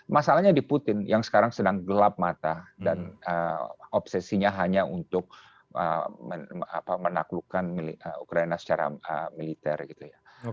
masalahnya di putin yang sekarang sedang gelap mata dan obsesinya hanya untuk menaklukkan militer ukraina